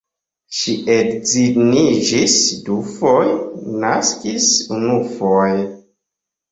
Ŝi edziniĝis dufoje, naskis unufoje.